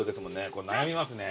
これ悩みますね。